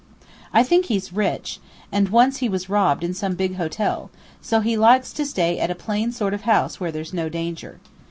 I think he's rich; and once he was robbed in some big hotel, so he likes to stay at a plain sort of house where there's no danger.